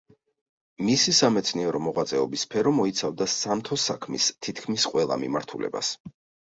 მისი სამეცნიერო მოღვაწეობის სფერო მოიცავდა სამთო საქმის თითქმის ყველა მიმართულებას.